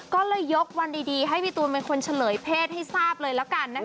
ก็เลยยกวันดีให้พี่ตูนเป็นคนเฉลยเพศให้ทราบเลยแล้วกันนะคะ